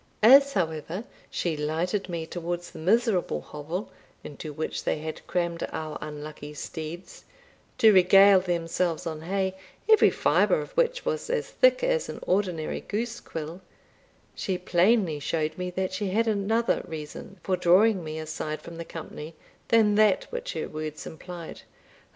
As, however, she lighted me towards the miserable hovel into which they had crammed our unlucky steeds, to regale themselves on hay, every fibre of which was as thick as an ordinary goose quill, she plainly showed me that she had another reason for drawing me aside from the company than that which her words implied.